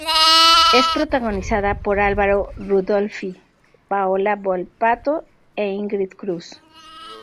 Es protagonizada por Álvaro Rudolphy, Paola Volpato e Ingrid Cruz.